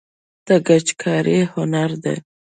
د ګچ کاري هنر دی